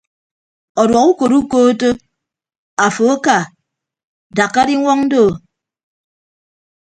Ọduọk ukọd ukootto afo aka dakka diñwọñ doo.